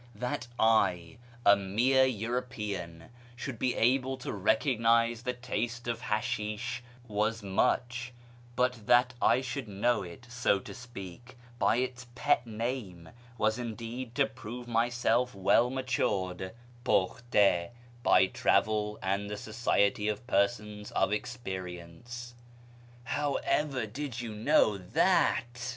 That I — a mere European — should be able to recognise the taste of haslhisli was much, but that I should know it, so to speak, by its pet name, was indeed to prove myself well matured (imklite) by travel and the society of persons of ex perience. " How ever did you know that